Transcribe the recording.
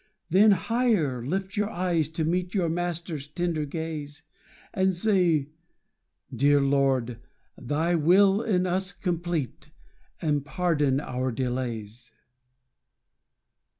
Then higher lift your eyes, to meet Your Master's tender gaze, And say, "Dear Lord, thy will in us complete, And pardon our delays."